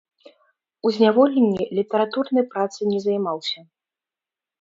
У зняволенні літаратурнай працай не займаўся.